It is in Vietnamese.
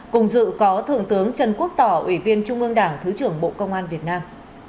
cùng dự có thượng tướng trần quốc tỏ ủy viên trung ương đảng thứ trưởng bộ công an việt nam